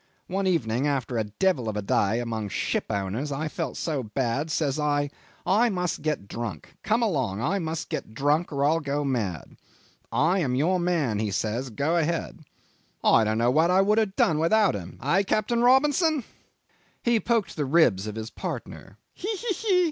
One evening after a devil of a day amongst shipowners I felt so bad that, says I, 'I must get drunk. Come along; I must get drunk, or I'll go mad.' 'I am your man,' he says; 'go ahead.' I don't know what I would have done without him. Hey! Captain Robinson." 'He poked the ribs of his partner. "He! he! he!"